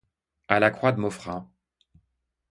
A la Croix-de-Maufras.